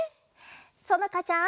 そのかちゃん。